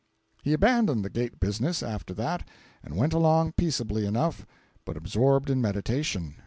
He abandoned the gate business after that and went along peaceably enough, but absorbed in meditation.